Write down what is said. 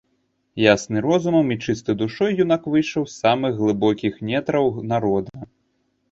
Ясны розумам і чысты душой юнак выйшаў з самых глыбокіх нетраў народа.